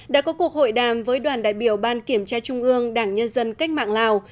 đã có cuộc hội đàm với đoàn đại biểu ban kiểm tra trung ương đảng nhân dân cách mạng lào